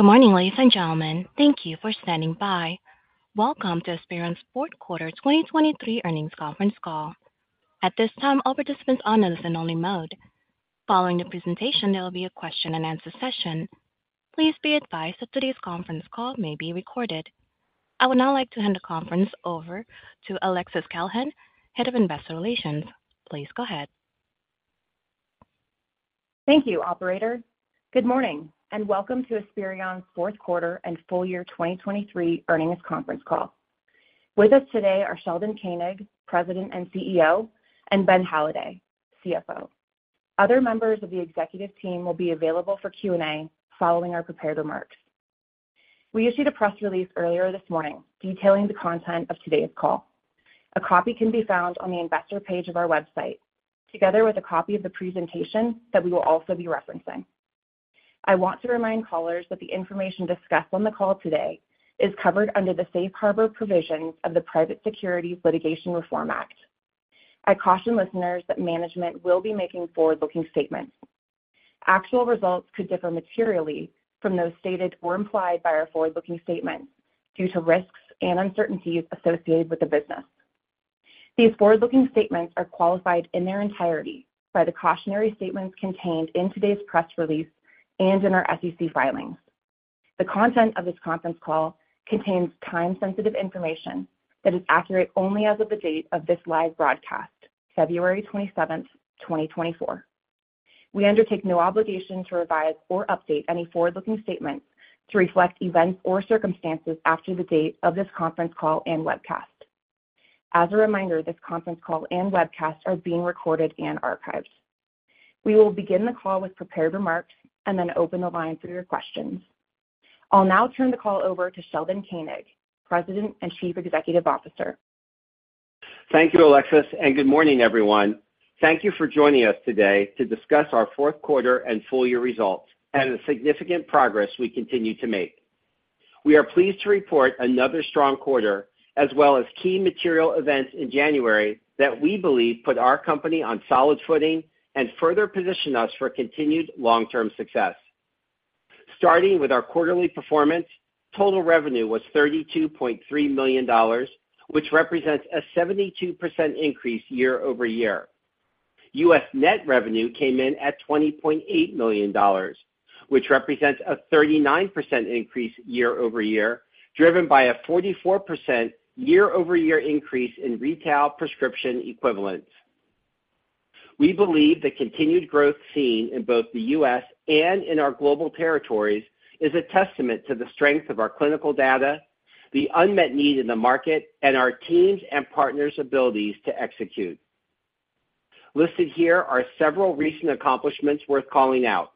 Good morning, ladies and gentlemen. Thank you for standing by. Welcome to Esperion's Fourth Quarter 2023 Earnings Conference Call. At this time, all participants are in listen-only mode. Following the presentation, there will be a question-and-answer session. Please be advised that today's conference call may be recorded. I would now like to hand the conference over to Alexis Callahan, Head of Investor Relations. Please go ahead. Thank you, operator. Good morning and welcome to Esperion's Fourth Quarter and Full Year 2023 Earnings Conference Call. With us today are Sheldon Koenig, President and CEO, and Ben Halladay, CFO. Other members of the executive team will be available for Q&A following our prepared remarks. We issued a press release earlier this morning detailing the content of today's call. A copy can be found on the investor page of our website, together with a copy of the presentation that we will also be referencing. I want to remind callers that the information discussed on the call today is covered under the Safe Harbor provisions of the Private Securities Litigation Reform Act. I caution listeners that management will be making forward-looking statements. Actual results could differ materially from those stated or implied by our forward-looking statements due to risks and uncertainties associated with the business. These forward-looking statements are qualified in their entirety by the cautionary statements contained in today's press release and in our SEC filings. The content of this conference call contains time-sensitive information that is accurate only as of the date of this live broadcast, February 27th, 2024. We undertake no obligation to revise or update any forward-looking statements to reflect events or circumstances after the date of this conference call and webcast. As a reminder, this conference call and webcast are being recorded and archived. We will begin the call with prepared remarks and then open the line for your questions. I'll now turn the call over to Sheldon Koenig, President and Chief Executive Officer. Thank you, Alexis, and good morning, everyone. Thank you for joining us today to discuss our Fourth Quarter and Full Year results and the significant progress we continue to make. We are pleased to report another strong quarter as well as key material events in January that we believe put our company on solid footing and further position us for continued long-term success. Starting with our quarterly performance, total revenue was $32.3 million, which represents a 72% increase year-over-year. U.S. net revenue came in at $20.8 million, which represents a 39% increase year-over-year, driven by a 44% year-over-year increase in retail prescription equivalents. We believe the continued growth seen in both the U.S. and in our global territories is a testament to the strength of our clinical data, the unmet need in the market, and our teams' and partners' abilities to execute. Listed here are several recent accomplishments worth calling out.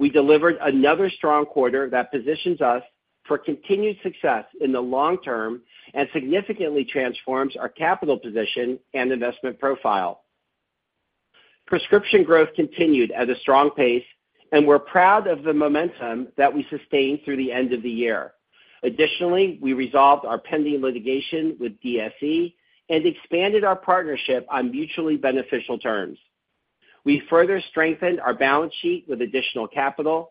We delivered another strong quarter that positions us for continued success in the long term and significantly transforms our capital position and investment profile. Prescription growth continued at a strong pace, and we're proud of the momentum that we sustained through the end of the year. Additionally, we resolved our pending litigation with DSE and expanded our partnership on mutually beneficial terms. We further strengthened our balance sheet with additional capital,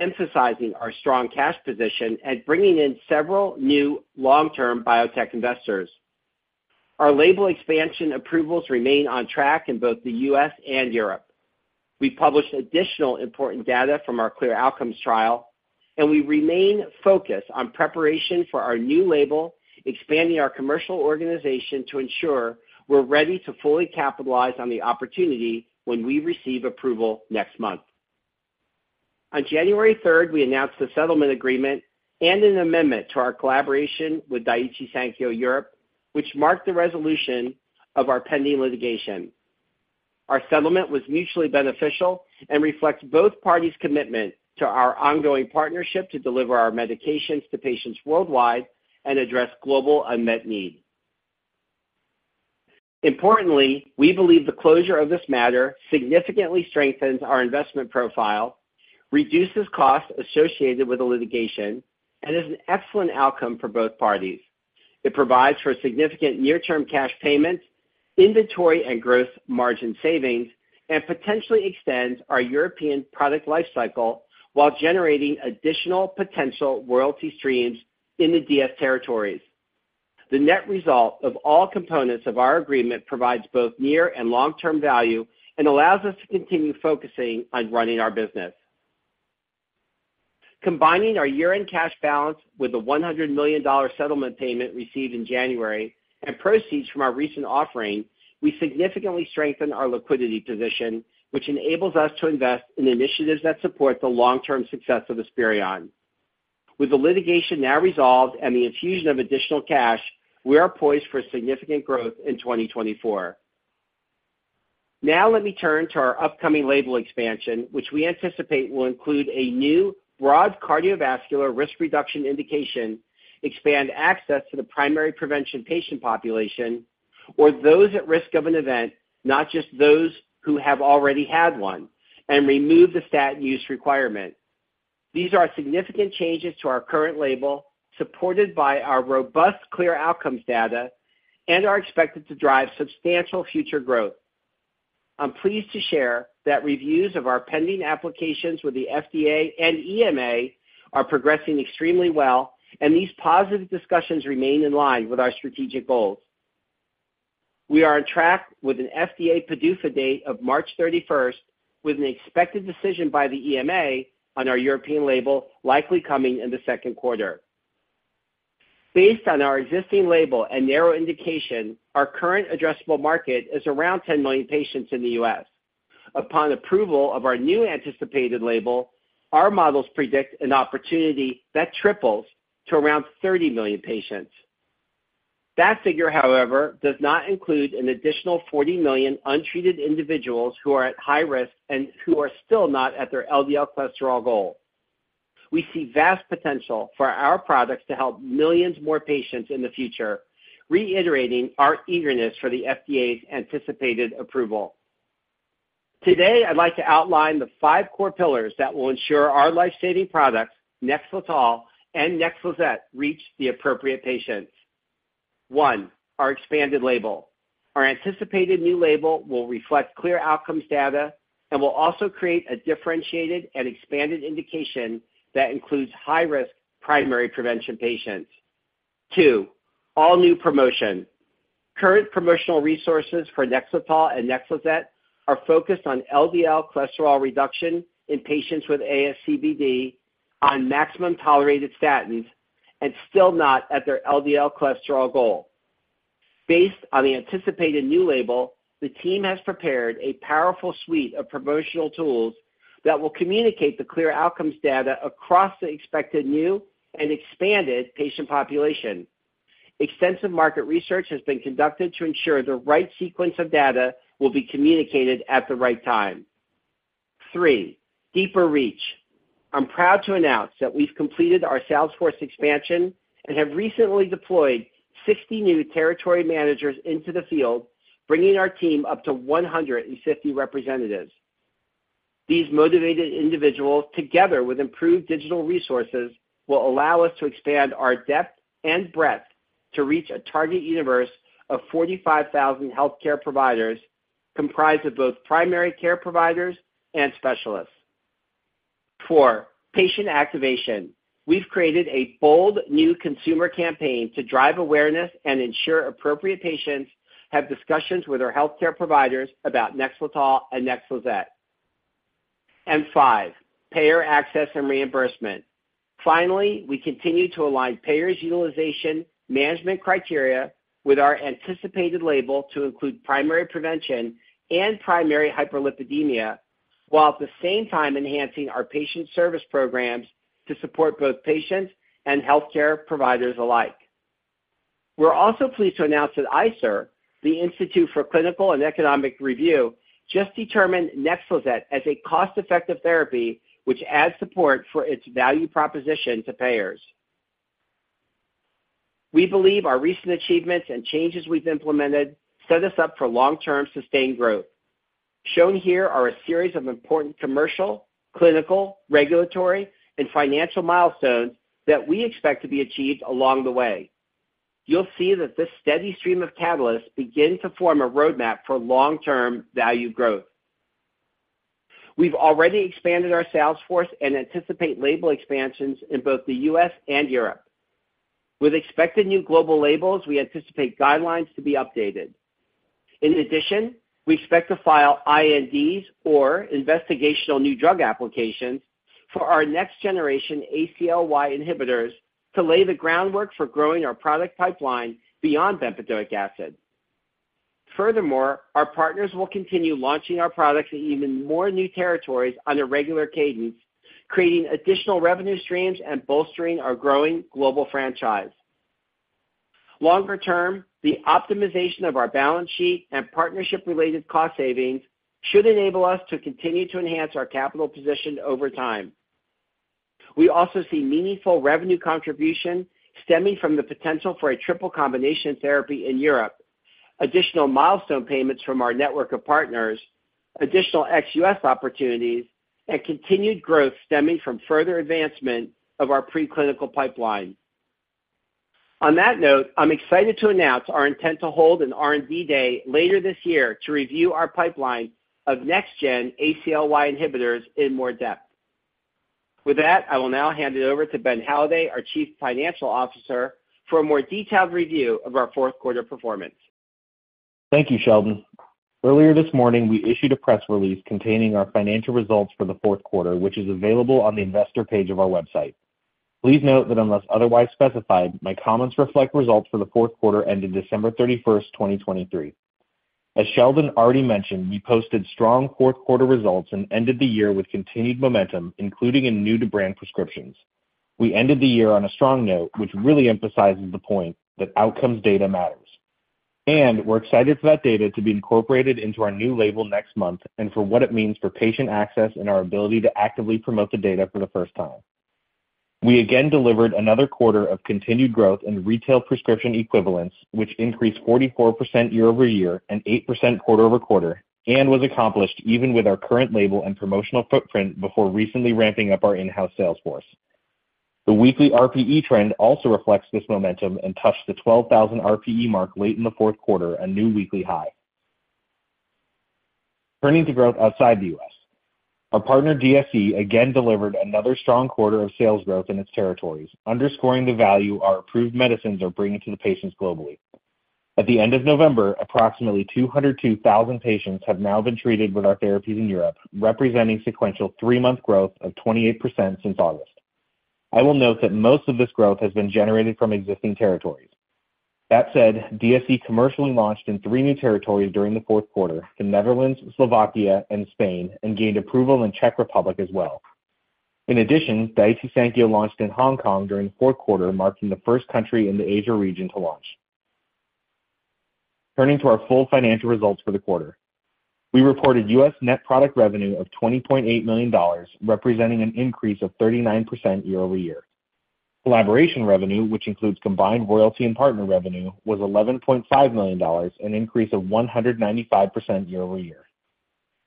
emphasizing our strong cash position and bringing in several new long-term biotech investors. Our label expansion approvals remain on track in both the U.S. and Europe. We published additional important data from our CLEAR Outcomes trial, and we remain focused on preparation for our new label, expanding our commercial organization to ensure we're ready to fully capitalize on the opportunity when we receive approval next month. On January 3rd, we announced the settlement agreement and an amendment to our collaboration with Daiichi Sankyo Europe, which marked the resolution of our pending litigation. Our settlement was mutually beneficial and reflects both parties' commitment to our ongoing partnership to deliver our medications to patients worldwide and address global unmet need. Importantly, we believe the closure of this matter significantly strengthens our investment profile, reduces costs associated with the litigation, and is an excellent outcome for both parties. It provides for significant near-term cash payments, inventory and gross margin savings, and potentially extends our European product lifecycle while generating additional potential royalty streams in the DS territories. The net result of all components of our agreement provides both near and long-term value and allows us to continue focusing on running our business. Combining our year-end cash balance with the $100 million settlement payment received in January and proceeds from our recent offering, we significantly strengthen our liquidity position, which enables us to invest in initiatives that support the long-term success of Esperion. With the litigation now resolved and the infusion of additional cash, we are poised for significant growth in 2024. Now let me turn to our upcoming label expansion, which we anticipate will include a new broad cardiovascular risk reduction indication, expand access to the primary prevention patient population, or those at risk of an event, not just those who have already had one, and remove the statin use requirement. These are significant changes to our current label, supported by our robust CLEAR Outcomes data, and are expected to drive substantial future growth. I'm pleased to share that reviews of our pending applications with the FDA and EMA are progressing extremely well, and these positive discussions remain in line with our strategic goals. We are on track with an FDA PDUFA date of March 31st with an expected decision by the EMA on our European label, likely coming in the second quarter. Based on our existing label and narrow indication, our current addressable market is around 10 million patients in the U.S. Upon approval of our new anticipated label, our models predict an opportunity that triples to around 30 million patients. That figure, however, does not include an additional 40 million untreated individuals who are at high risk and who are still not at their LDL cholesterol goal. We see vast potential for our products to help millions more patients in the future, reiterating our eagerness for the FDA's anticipated approval. Today, I'd like to outline the five core pillars that will ensure our lifesaving products, NEXLETOL, and NEXLIZET, reach the appropriate patients. One, our expanded label. Our anticipated new label will reflect CLEAR Outcomes data and will also create a differentiated and expanded indication that includes high-risk primary prevention patients. Two, all new promotion. Current promotional resources for NEXLETOL and NEXLIZET are focused on LDL cholesterol reduction in patients with ASCVD, on maximum tolerated statins, and still not at their LDL cholesterol goal. Based on the anticipated new label, the team has prepared a powerful suite of promotional tools that will communicate the CLEAR Outcomes data across the expected new and expanded patient population. Extensive market research has been conducted to ensure the right sequence of data will be communicated at the right time. Three, deeper reach. I'm proud to announce that we've completed our Salesforce expansion and have recently deployed 60 new territory managers into the field, bringing our team up to 150 representatives. These motivated individuals, together with improved digital resources, will allow us to expand our depth and breadth to reach a target universe of 45,000 healthcare providers comprised of both primary care providers and specialists. Four, patient activation. We've created a bold new consumer campaign to drive awareness and ensure appropriate patients have discussions with their healthcare providers about Nexletol and Nexlizet. And five, payer access and reimbursement. Finally, we continue to align payers' utilization management criteria with our anticipated label to include primary prevention and primary hyperlipidemia, while at the same time enhancing our patient service programs to support both patients and healthcare providers alike. We're also pleased to announce that ICER, the Institute for Clinical and Economic Review, just determined NEXLIZET as a cost-effective therapy, which adds support for its value proposition to payers. We believe our recent achievements and changes we've implemented set us up for long-term sustained growth. Shown here are a series of important commercial, clinical, regulatory, and financial milestones that we expect to be achieved along the way. You'll see that this steady stream of catalysts begins to form a roadmap for long-term value growth. We've already expanded our sales force and anticipate label expansions in both the U.S. and Europe. With expected new global labels, we anticipate guidelines to be updated. In addition, we expect to file INDs or investigational new drug applications for our next-generation ACLY inhibitors to lay the groundwork for growing our product pipeline beyond bempedoic acid. Furthermore, our partners will continue launching our products in even more new territories on a regular cadence, creating additional revenue streams and bolstering our growing global franchise. Longer term, the optimization of our balance sheet and partnership-related cost savings should enable us to continue to enhance our capital position over time. We also see meaningful revenue contribution stemming from the potential for a triple combination therapy in Europe, additional milestone payments from our network of partners, additional ex-U.S. opportunities, and continued growth stemming from further advancement of our preclinical pipeline. On that note, I'm excited to announce our intent to hold an R&D day later this year to review our pipeline of next-gen ACLY inhibitors in more depth. With that, I will now hand it over to Ben Halladay, our Chief Financial Officer, for a more detailed review of our fourth quarter performance. Thank you, Sheldon. Earlier this morning, we issued a press release containing our financial results for the fourth quarter, which is available on the investor page of our website. Please note that unless otherwise specified, my comments reflect results for the fourth quarter ended December 31st, 2023. As Sheldon already mentioned, we posted strong fourth quarter results and ended the year with continued momentum, including in new-to-brand prescriptions. We ended the year on a strong note, which really emphasizes the point that outcomes data matters. And we're excited for that data to be incorporated into our new label next month and for what it means for patient access and our ability to actively promote the data for the first time. We again delivered another quarter of continued growth in retail prescription equivalents, which increased 44% year-over-year and 8% quarter-over-quarter and was accomplished even with our current label and promotional footprint before recently ramping up our in-house sales force. The weekly RPE trend also reflects this momentum and touched the 12,000 RPE mark late in the fourth quarter, a new weekly high. Turning to growth outside the U.S. Our partner DSE again delivered another strong quarter of sales growth in its territories, underscoring the value our approved medicines are bringing to the patients globally. At the end of November, approximately 202,000 patients have now been treated with our therapies in Europe, representing sequential three-month growth of 28% since August. I will note that most of this growth has been generated from existing territories. That said, DSE commercially launched in three new territories during the fourth quarter: the Netherlands, Slovakia, and Spain, and gained approval in Czech Republic as well. In addition, Daiichi Sankyo launched in Hong Kong during the fourth quarter, marking the first country in the Asia region to launch. Turning to our full financial results for the quarter. We reported U.S. net product revenue of $20.8 million, representing an increase of 39% year-over-year. Collaboration revenue, which includes combined royalty and partner revenue, was $11.5 million, an increase of 195% year-over-year.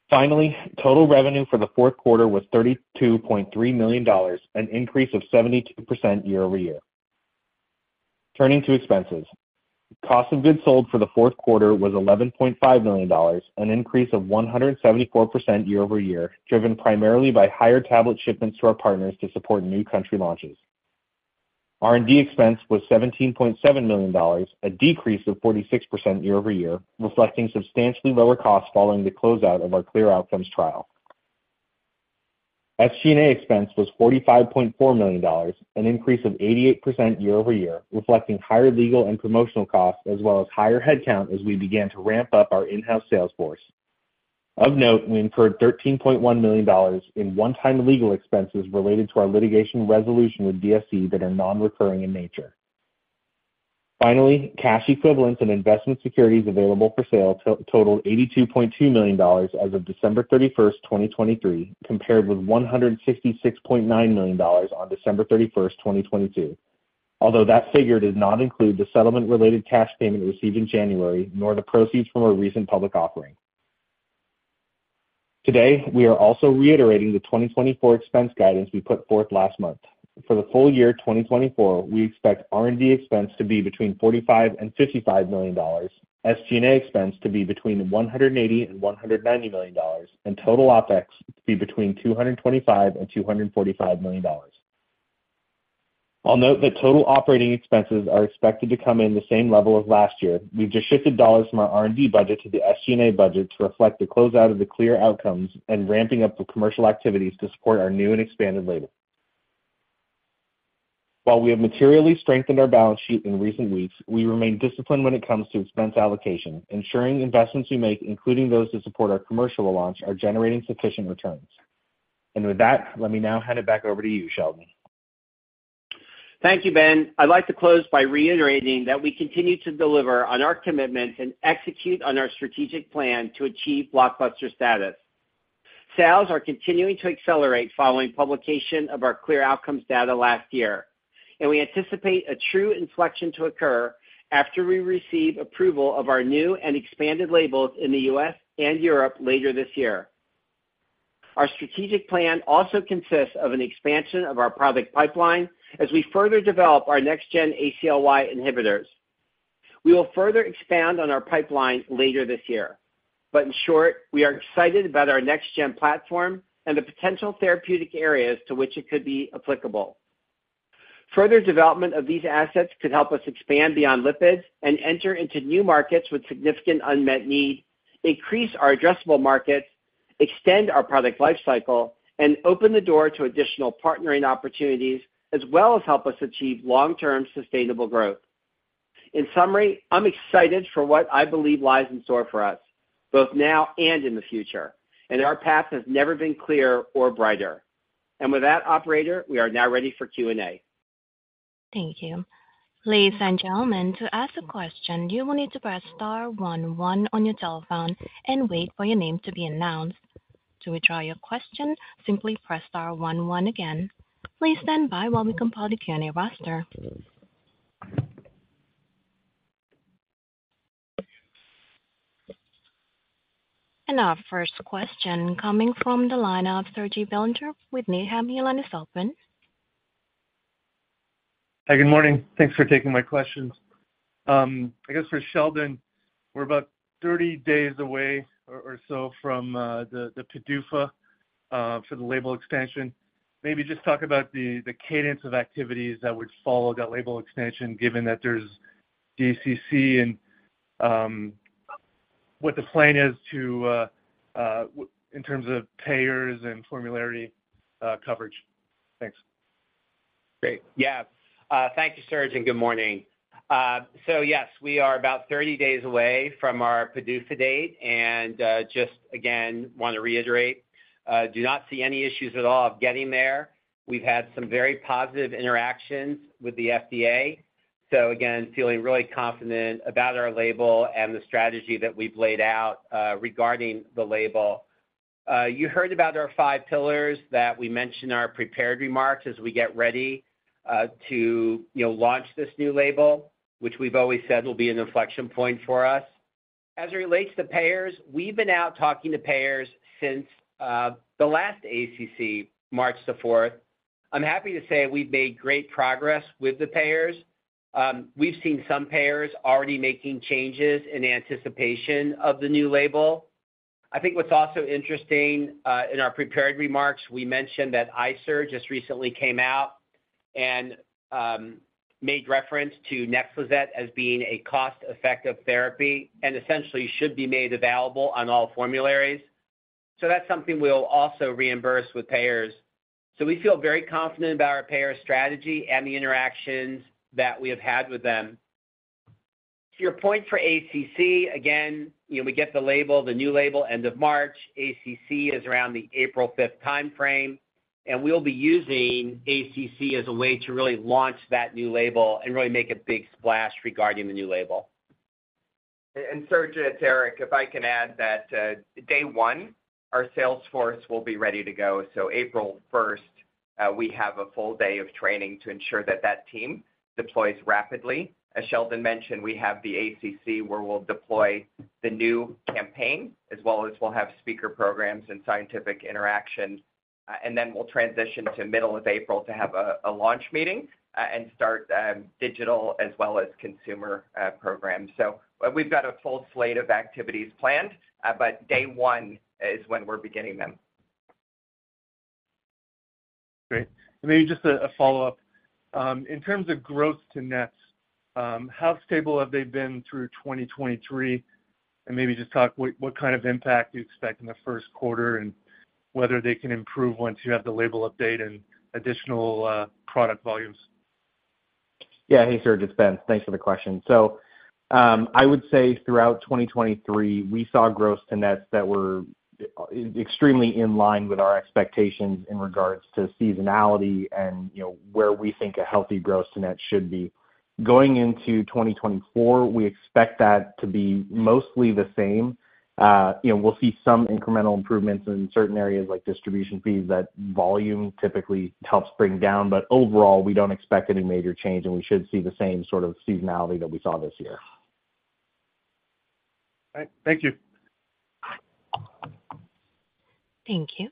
Finally, total revenue for the fourth quarter was $32.3 million, an increase of 72% year-over-year. Turning to expenses. Cost of goods sold for the fourth quarter was $11.5 million, an increase of 174% year-over-year, driven primarily by higher tablet shipments to our partners to support new country launches. R&D expense was $17.7 million, a decrease of 46% year-over-year, reflecting substantially lower costs following the closeout of our CLEAR Outcomes trial. SG&A expense was $45.4 million, an increase of 88% year-over-year, reflecting higher legal and promotional costs as well as higher headcount as we began to ramp up our in-house sales force. Of note, we incurred $13.1 million in one-time legal expenses related to our litigation resolution with DSE that are non-recurring in nature. Finally, cash equivalents and investment securities available for sale totaled $82.2 million as of December 31st, 2023, compared with $166.9 million on December 31st, 2022, although that figure does not include the settlement-related cash payment received in January nor the proceeds from our recent public offering. Today, we are also reiterating the 2024 expense guidance we put forth last month. For the full year 2024, we expect R&D expense to be between $45 million-$55 million, SG&A expense to be between $180 million-$190 million, and total OpEx to be between $225 million-$245 million. I'll note that total operating expenses are expected to come in the same level as last year. We've just shifted dollars from our R&D budget to the SG&A budget to reflect the closeout of the CLEAR Outcomes and ramping up the commercial activities to support our new and expanded label. While we have materially strengthened our balance sheet in recent weeks, we remain disciplined when it comes to expense allocation, ensuring investments we make, including those to support our commercial launch, are generating sufficient returns. With that, let me now hand it back over to you, Sheldon. Thank you, Ben. I'd like to close by reiterating that we continue to deliver on our commitments and execute on our strategic plan to achieve blockbuster status. Sales are continuing to accelerate following publication of our CLEAR Outcomes data last year, and we anticipate a true inflection to occur after we receive approval of our new and expanded labels in the U.S. and Europe later this year. Our strategic plan also consists of an expansion of our product pipeline as we further develop our next-gen ACLY inhibitors. We will further expand on our pipeline later this year. But in short, we are excited about our next-gen platform and the potential therapeutic areas to which it could be applicable. Further development of these assets could help us expand beyond lipids and enter into new markets with significant unmet need, increase our addressable markets, extend our product lifecycle, and open the door to additional partnering opportunities as well as help us achieve long-term sustainable growth. In summary, I'm excited for what I believe lies in store for us, both now and in the future, and our path has never been clearer or brighter. And with that, operator, we are now ready for Q&A. Thank you. Ladies and gentlemen, to ask a question, you will need to press star one one on your telephone and wait for your name to be announced. To retry your question, simply press star one one again. Please stand by while we compile the Q&A roster. Our first question coming from the line of Serge Belanger with Needham & Company. Hi, good morning. Thanks for taking my questions. I guess for Sheldon, we're about 30 days away or so from the PDUFA for the label expansion. Maybe just talk about the cadence of activities that would follow that label expansion, given that there's ACC and what the plan is in terms of payers and formulary coverage. Thanks. Great. Yeah. Thank you, Serge, and good morning. So yes, we are about 30 days away from our PDUFA date, and just again, want to reiterate, do not see any issues at all of getting there. We've had some very positive interactions with the FDA, so again, feeling really confident about our label and the strategy that we've laid out regarding the label. You heard about our five pillars that we mentioned our prepared remarks as we get ready to launch this new label, which we've always said will be an inflection point for us. As it relates to payers, we've been out talking to payers since the last ACC, March the 4th. I'm happy to say we've made great progress with the payers. We've seen some payers already making changes in anticipation of the new label. I think what's also interesting in our prepared remarks, we mentioned that ICER just recently came out and made reference to Nexlizet as being a cost-effective therapy and essentially should be made available on all formularies. So that's something we'll also re-engage with payers. So we feel very confident about our payer strategy and the interactions that we have had with them. To your point for ACC, again, we get the new label end of March. ACC is around the April 5th timeframe, and we'll be using ACC as a way to really launch that new label and really make a big splash regarding the new label. And Serge and Eric, if I can add that day one, our sales force will be ready to go. So April 1st, we have a full day of training to ensure that that team deploys rapidly. As Sheldon mentioned, we have the ACC where we'll deploy the new campaign, as well as we'll have speaker programs and scientific interaction. And then we'll transition to middle of April to have a launch meeting and start digital as well as consumer programs. So we've got a full slate of activities planned, but day one is when we're beginning them. Great. And maybe just a follow-up. In terms of growth to nets, how stable have they been through 2023? And maybe just talk what kind of impact you expect in the first quarter and whether they can improve once you have the label update and additional product volumes. Yeah. Hey, Serge. It's Ben. Thanks for the question. So I would say throughout 2023, we saw growth to nets that were extremely in line with our expectations in regards to seasonality and where we think a healthy growth to net should be. Going into 2024, we expect that to be mostly the same. We'll see some incremental improvements in certain areas like distribution fees that volume typically helps bring down, but overall, we don't expect any major change, and we should see the same sort of seasonality that we saw this year. All right. Thank you. Thank you.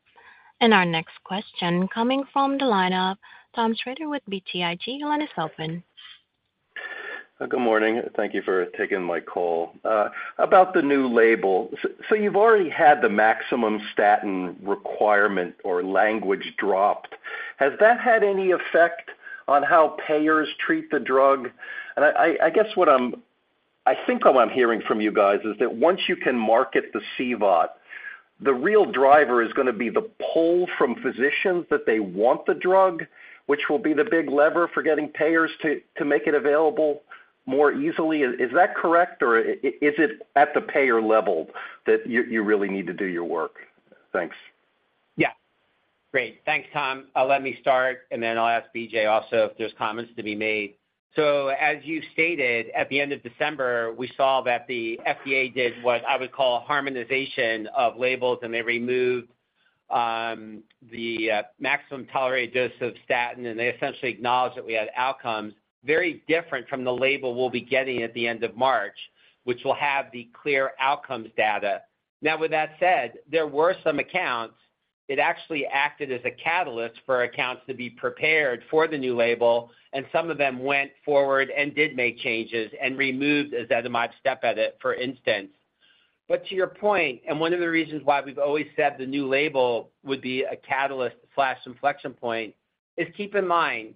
Our next question coming from the line of Tom Shrader with BTIG, your line is open. Good morning. Thank you for taking my call about the new label. So you've already had the maximum statin requirement or language dropped. Has that had any effect on how payers treat the drug? And I guess what I think I'm hearing from you guys is that once you can market the CVOT, the real driver is going to be the pull from physicians that they want the drug, which will be the big lever for getting payers to make it available more easily. Is that correct, or is it at the payer level that you really need to do your work? Thanks. Yeah. Great. Thanks, Tom. Let me start, and then I'll ask BJ also if there's comments to be made. So as you stated, at the end of December, we saw that the FDA did what I would call harmonization of labels, and they removed the maximum tolerated dose of statin, and they essentially acknowledged that we had outcomes very different from the label we'll be getting at the end of March, which will have the CLEAR Outcomes data. Now, with that said, there were some accounts it actually acted as a catalyst for accounts to be prepared for the new label, and some of them went forward and did make changes and removed ezetimibe step edit, for instance. But to your point, and one of the reasons why we've always said the new label would be a catalyst/inflection point, is keep in mind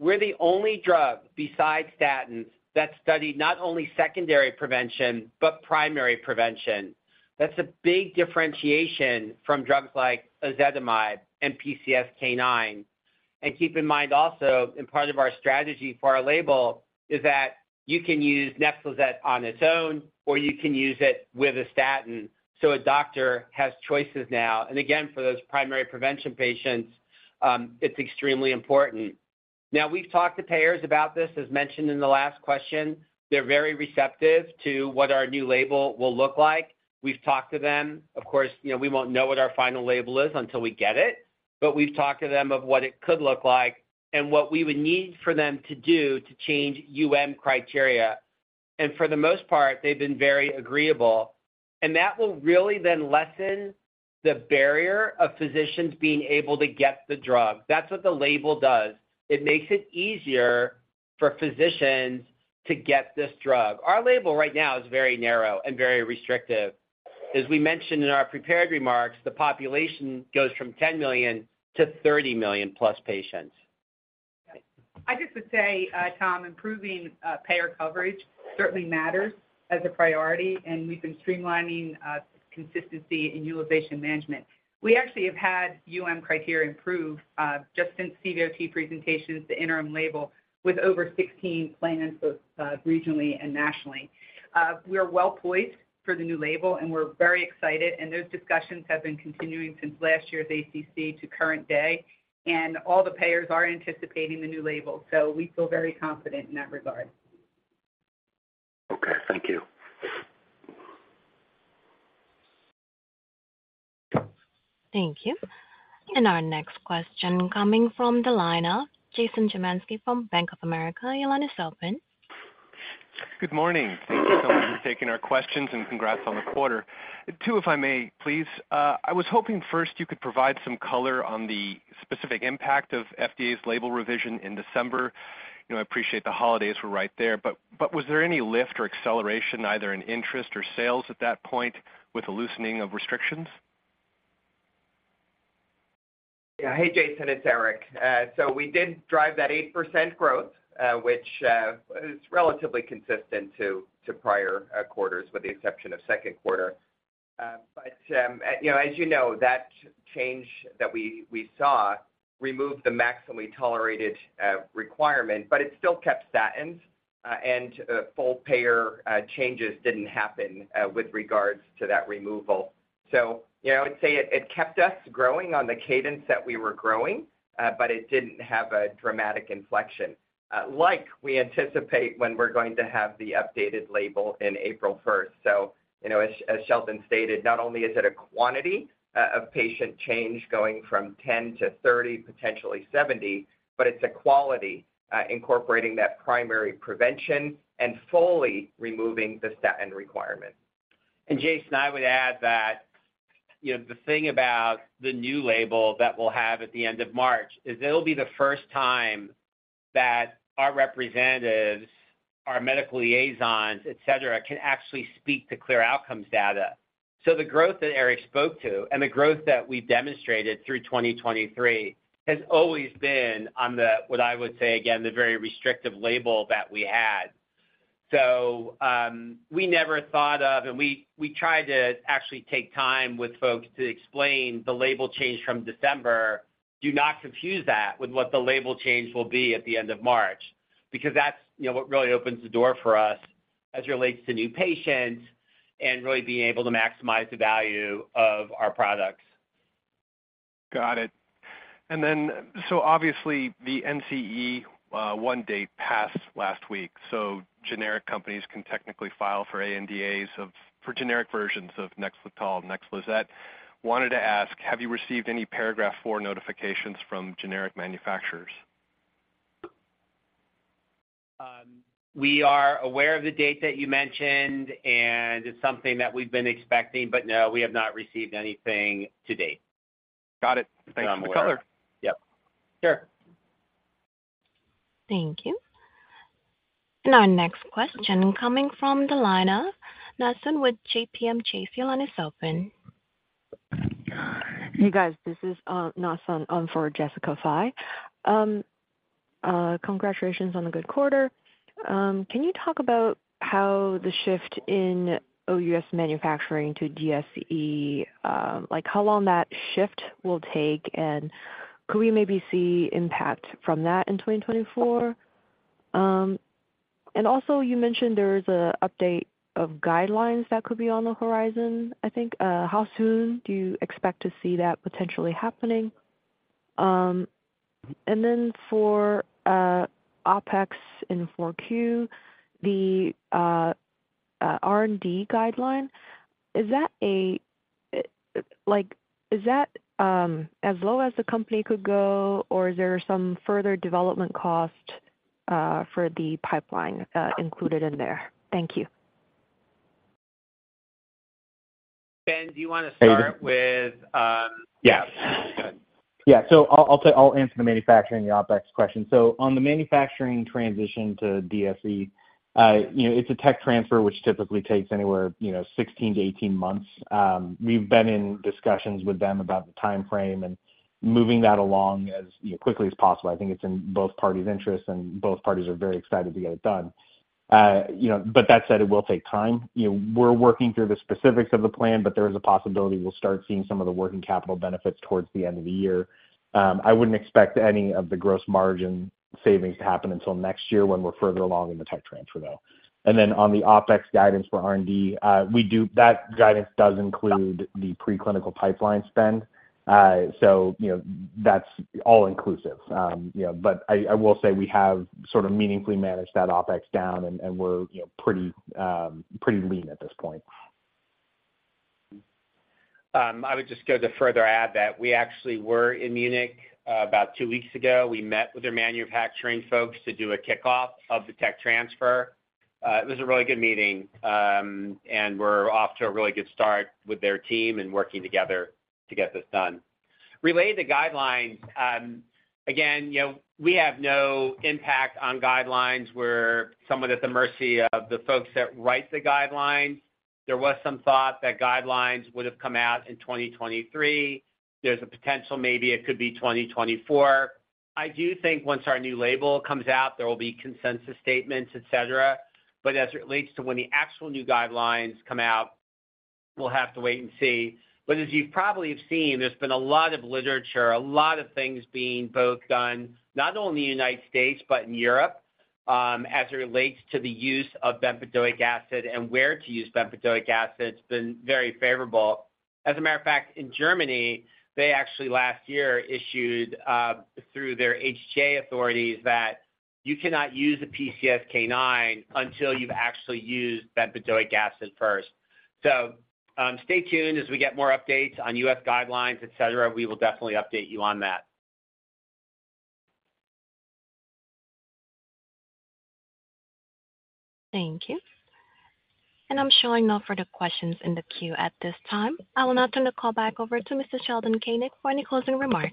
we're the only drug besides statins that studied not only secondary prevention but primary prevention. That's a big differentiation from drugs like ezetimibe and PCSK9. And keep in mind also, and part of our strategy for our label, is that you can use Nexlizet on its own, or you can use it with a statin. So a doctor has choices now. And again, for those primary prevention patients, it's extremely important. Now, we've talked to payers about this. As mentioned in the last question, they're very receptive to what our new label will look like. We've talked to them. Of course, we won't know what our final label is until we get it, but we've talked to them of what it could look like and what we would need for them to do to change criteria. For the most part, they've been very agreeable, and that will really then lessen the barrier of physicians being able to get the drug. That's what the label does. It makes it easier for physicians to get this drug. Our label right now is very narrow and very restrictive. As we mentioned in our prepared remarks, the population goes from 10 million-30 million+ patients. I just would say, Tom, improving payer coverage certainly matters as a priority, and we've been streamlining consistency in utilization management. We actually have had criteria improve just since CVOT presentations, the interim label, with over 16 plans both regionally and nationally. We are well poised for the new label, and we're very excited. And those discussions have been continuing since last year's ACC to current day, and all the payers are anticipating the new label, so we feel very confident in that regard. Okay. Thank you. Thank you. Our next question coming from the line of Jason Zemansky from Bank of America, your line is open. Good morning. Thank you so much for taking our questions, and congrats on the quarter two, if I may, please. I was hoping first you could provide some color on the specific impact of FDA's label revision in December. I appreciate the holidays were right there, but was there any lift or acceleration, either in interest or sales, at that point with the loosening of restrictions? Yeah. Hey, Jason. It's Eric. So we did drive that 8% growth, which is relatively consistent to prior quarters, with the exception of second quarter. But as you know, that change that we saw removed the maximally tolerated requirement, but it still kept statins, and full payer changes didn't happen with regards to that removal. So I would say it kept us growing on the cadence that we were growing, but it didn't have a dramatic inflection like we anticipate when we're going to have the updated label in April 1st. So as Sheldon stated, not only is it a quantity of patient change going from 10-30, potentially 70, but it's a quality incorporating that primary prevention and fully removing the statin requirement. Jason, I would add that the thing about the new label that we'll have at the end of March is it'll be the first time that our representatives, our medical liaisons, etc., can actually speak to CLEAR Outcomes data. So the growth that Eric spoke to and the growth that we've demonstrated through 2023 has always been on what I would say, again, the very restrictive label that we had. So we never thought of and we tried to actually take time with folks to explain the label change from December. Do not confuse that with what the label change will be at the end of March because that's what really opens the door for us as it relates to new patients and really being able to maximize the value of our products. Got it. And then so obviously, the NCE-1 date passed last week, so generic companies can technically file for ANDAs for generic versions of NEXLETOL and NEXLIZET. Wanted to ask, have you received any Paragraph IV notifications from generic manufacturers? We are aware of the date that you mentioned, and it's something that we've been expecting, but no, we have not received anything to date. Got it. Thanks for the color. Yep. Sure. Thank you. And our next question coming from the line of Na Sun with JPMorgan Chase, your line is open. Hey, guys. This is Na Sun for Jessica Fye. Congratulations on a good quarter. Can you talk about how the shift in OUS manufacturing to DSE, how long that shift will take, and could we maybe see impact from that in 2024? And also, you mentioned there is an update of guidelines that could be on the horizon, I think. How soon do you expect to see that potentially happening? And then for OPEX in 4Q, the R&D guideline, is that as low as the company could go, or is there some further development cost for the pipeline included in there? Thank you. Ben, do you want to start with? Yes. Go ahead. Yeah. So I'll answer the manufacturing and the OpEx question. So on the manufacturing transition to DSE, it's a tech transfer, which typically takes anywhere 16-18 months. We've been in discussions with them about the timeframe and moving that along as quickly as possible. I think it's in both parties' interests, and both parties are very excited to get it done. But that said, it will take time. We're working through the specifics of the plan, but there is a possibility we'll start seeing some of the working capital benefits towards the end of the year. I wouldn't expect any of the gross margin savings to happen until next year when we're further along in the tech transfer, though. And then on the OpEx guidance for R&D, that guidance does include the preclinical pipeline spend. So that's all-inclusive. But I will say we have sort of meaningfully managed that OpEx down, and we're pretty lean at this point. I would just go to further add that we actually were in Munich about two weeks ago. We met with their manufacturing folks to do a kickoff of the tech transfer. It was a really good meeting, and we're off to a really good start with their team and working together to get this done. Related to guidelines, again, we have no impact on guidelines. We're somewhat at the mercy of the folks that write the guidelines. There was some thought that guidelines would have come out in 2023. There's a potential maybe it could be 2024. I do think once our new label comes out, there will be consensus statements, etc. But as it relates to when the actual new guidelines come out, we'll have to wait and see. But as you probably have seen, there's been a lot of literature, a lot of things being both done not only in the United States but in Europe as it relates to the use of bempedoic acid and where to use bempedoic acid. It's been very favorable. As a matter of fact, in Germany, they actually last year issued through their HTA authorities that you cannot use a PCSK9 until you've actually used bempedoic acid first. So stay tuned as we get more updates on U.S. guidelines, etc. We will definitely update you on that. Thank you. I'm showing no further questions in the queue at this time. I will now turn the call back over to Mr. Sheldon Koenig for any closing remarks.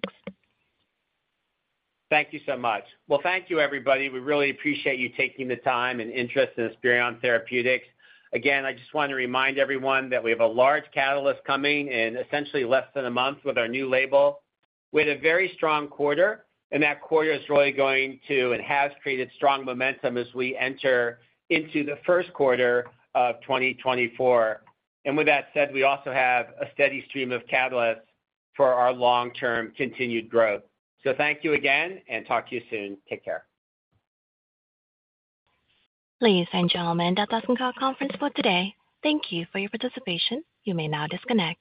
Thank you so much. Well, thank you, everybody. We really appreciate you taking the time and interest in Esperion Therapeutics. Again, I just want to remind everyone that we have a large catalyst coming in essentially less than a month with our new label. We had a very strong quarter, and that quarter is really going to and has created strong momentum as we enter into the first quarter of 2024. And with that said, we also have a steady stream of catalysts for our long-term continued growth. So thank you again, and talk to you soon. Take care. Please, gentlemen, that does conclude our conference for today. Thank you for your participation. You may now disconnect.